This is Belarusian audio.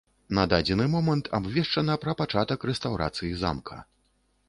На дадзены момант абвешчана пра пачатак рэстаўрацыі замка.